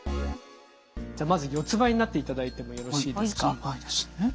じゃあまず四つんばいになっていただいてもよろしいですか？